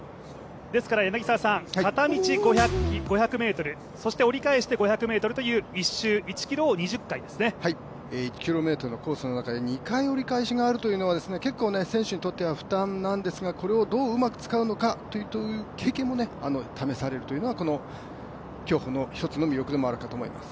ですから片道５００ｍ、そして折り返して５００ｍという１周１ｋｍを１ｋｍのコースの中で２回折り返しがあるというのは結構選手にとっては負担なんですが、これをどううまく使うのかという経験も試されるというのがこの競歩の一つの魅力でもあると思います。